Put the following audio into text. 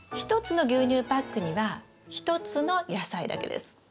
１つの牛乳パックには１つの野菜だけです。